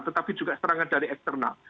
tetapi juga serangan dari eksternal